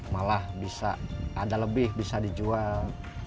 malah bisa ada lebih bisa dijual